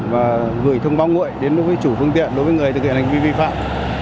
và gửi thông báo nguội đến đối với chủ phương tiện đối với người thực hiện hành vi vi phạm